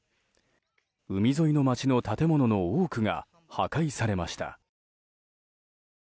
海沿いの街の建物の多くが破壊されました。